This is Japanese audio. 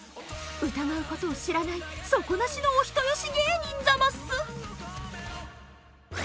疑う事を知らない底なしのお人よし芸人ザマス。